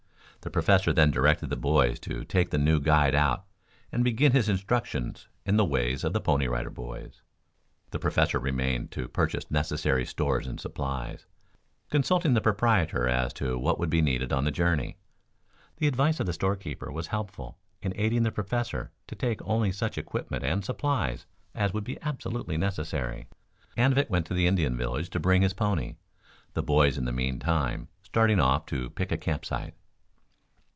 The Professor then directed the boys to take the new guide out and begin his instruction in the ways of the Pony Rider Boys. The Professor remained to purchase necessary stores and supplies, consulting the proprietor as to what would be needed on the journey. The advice of the store keeper was helpful in aiding the Professor to take only such equipment and supplies as would be absolutely necessary. Anvik went to the Indian village to bring his pony, the boys in the meantime starting off to pick a camp site.